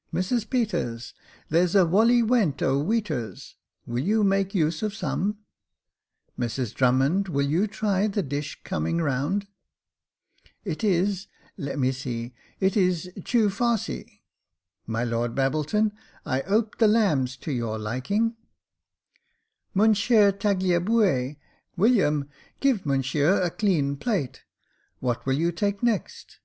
" Mrs Peters, there's a wolley nuent 0' iveaters. Will you make use of some ? Mrs Drummond, will you try the dish coming round } It is — let me see — it is chenv farsy 142 Jacob Faithful My Lord Babbleton, I 'ope the lamb's to your liking'^ Monshere Tagliabue — William, give Monshere a cleaa plate. What will you take next